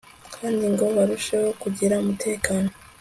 kandi ngo barusheho kugira umutekano